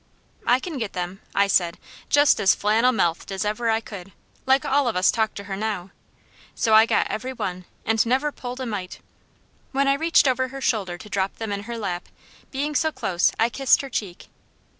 "I can get them," I said just as flannel mouthed as ever I could, like all of us talked to her now, so I got every one and never pulled a mite. When I reached over her shoulder to drop them in her lap, being so close I kissed her cheek.